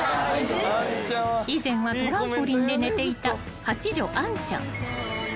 ［以前はトランポリンで寝ていた八女羽恋ちゃん］